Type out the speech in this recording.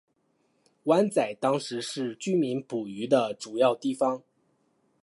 湾仔当时是居民捕鱼的主要地方。